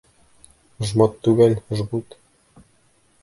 Жмот түгел, жгут!